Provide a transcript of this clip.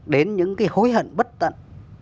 đến những cái hối hận bất tận